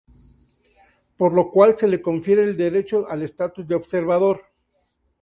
Por lo cual se les confiere el derecho al estatus de observador.